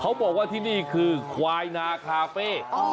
เขาบอกว่าที่นี่คือควายนาคาเฟ่